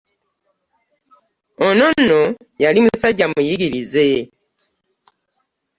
Ono nno yali musajja muyigirize.